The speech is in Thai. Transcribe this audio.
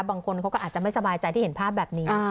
บางคนเขาก็อาจจะไม่สบายใจที่เห็นภาพแบบนี้